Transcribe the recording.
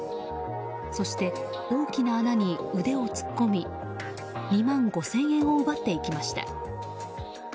そして、大きな穴に腕を突っ込み２万５０００円を奪っていきました。